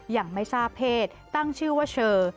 ยังไม่ทราบเพศตั้งชื่อว่าเชอ